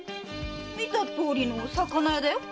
見たとおりの魚屋だよ。